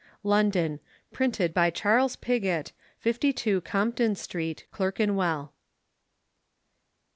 London: Printed by Charles Pigott, 52, Compton Street, Clerkenwell.